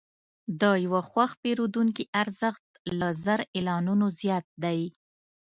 د یو خوښ پیرودونکي ارزښت له زر اعلانونو زیات دی.